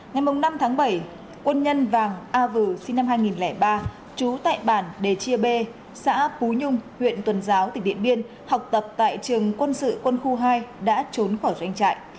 ngày năm tháng bảy quân nhân vàng a vừ sinh năm hai nghìn ba trú tại bản đề chia bê xã phú nhung huyện tuần giáo tỉnh điện biên học tập tại trường quân sự quân khu hai đã trốn khỏi doanh trại